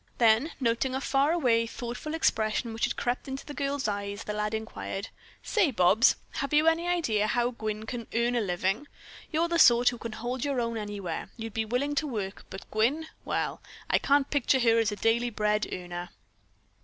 Then noting a far away, thoughtful expression which had crept into the girl's eyes, the lad inquired: "Say, Bobs, have you any idea how Gwyn can earn a living? You're the sort who can hold your own anywhere. You'd be willing to work, but Gwyn well, I can't picture her as a daily bread earner."